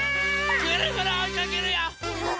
ぐるぐるおいかけるよ！